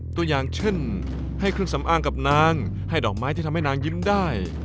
ตัวอย่างเช่นให้เครื่องสำอางกับนางให้ดอกไม้ที่ทำให้นางยิ้มได้